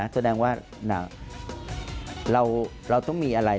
แสดงว่าเราต้องมีอะไร